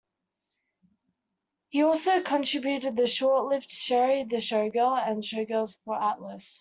He also contributed the short-lived "Sherry the Showgirl" and "Showgirls" for Atlas.